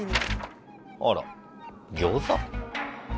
あらギョウザ？